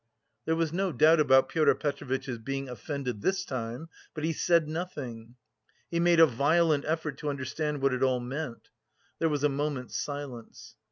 There was no doubt about Pyotr Petrovitch's being offended this time, but he said nothing. He made a violent effort to understand what it all meant. There was a moment's silence.